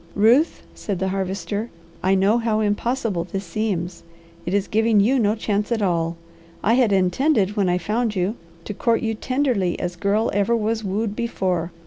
"Ruth," said the Harvester, "I know how impossible this seems. It is giving you no chance at all. I had intended, when I found you, to court you tenderly as girl ever was wooed before.